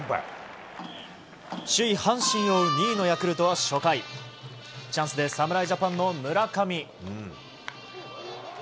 首位、阪神を追う２位のヤクルトは初回チャンスで侍ジャパンの村上。